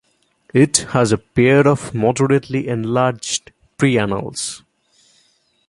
It has a pair of moderately enlarged preanals.